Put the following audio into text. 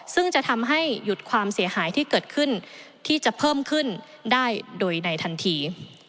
ซึ่งจะทำให้หยุดความเสียหายที่เกิดขึ้นที่จะเพิ่มขึ้นได้โดยในทันที